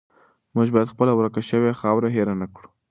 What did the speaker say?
موږ باید خپله ورکه شوې خاوره هیره نه کړو.